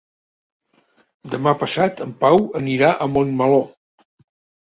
Demà passat en Pau anirà a Montmeló.